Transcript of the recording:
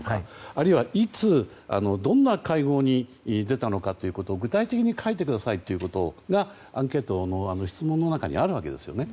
あるいはいつ、どんな会合に出たのかを具体的に書いてくださいというのがアンケートの質問の中にあるわけですよね。